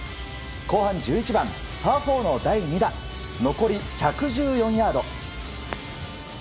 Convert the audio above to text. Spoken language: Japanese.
後半１１番、パー４の第２打残り１１４ヤード。